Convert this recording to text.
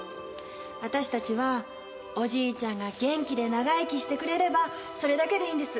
私たちはおじいちゃんが元気で長生きしてくれればそれだけでいいんです。